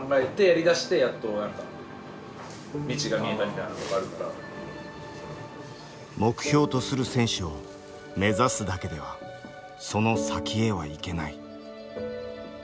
どういうどう考えて「目標とする選手を目指すだけではその先へは行けない」。